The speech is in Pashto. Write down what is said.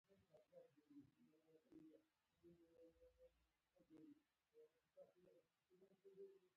هغوی د ساحل له یادونو سره راتلونکی جوړولو هیله لرله.